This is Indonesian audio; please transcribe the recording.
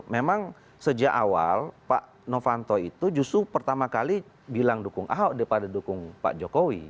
memang sejak awal pak novanto itu justru pertama kali bilang dukung ahok daripada dukung pak jokowi